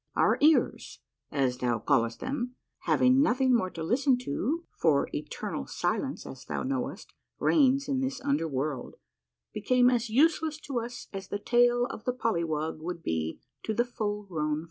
Our ears, as thou callest them, having nothing more to listen to, for eternal silence, as thou knowest, reigns in this under world, became as useless to us as the tail of the polywog would be to the full grown.